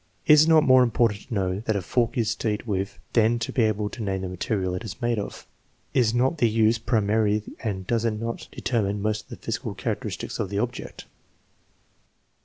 Is it not more important to know that a fork is to eat with than to be able to name the material it is made of? Is not the use pri mary and does it not determine most of the physical charac teristics of the object?